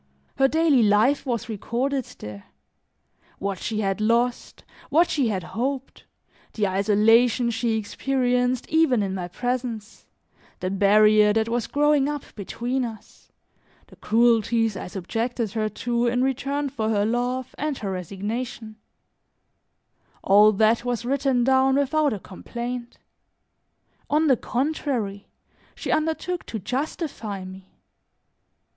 Her daily life was recorded there; what she had lost, what she had hoped, the isolation she experienced even in my presence, the barrier that was growing up between us, the cruelties I subjected her to in return for her love and her resignation all that was written down without a complaint; on the contrary, she undertook to justify me.